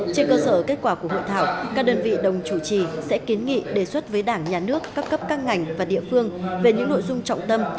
trên cơ sở kết quả của hội thảo các đơn vị đồng chủ trì sẽ kiến nghị đề xuất với đảng nhà nước các cấp các ngành và địa phương về những nội dung trọng tâm